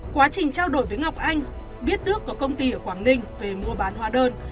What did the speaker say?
quá trình trao đổi với ngọc anh biết đức có công ty ở quảng ninh về mua bán hóa đơn